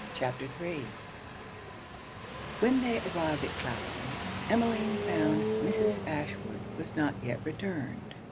CHAPTER III When they arrived at Clapham, Emmeline found Mrs. Ashwood was not yet returned.